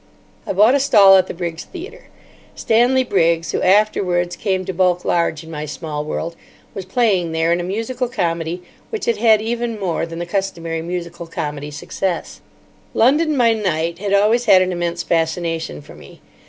I bought a stall at the Briggs Theatre. Stanley Briggs, who afterwards came to bulk large in my small world, was playing there in a musical comedy which had had even more than the customary musical comedy success. London by night had always had an immense fascination for me.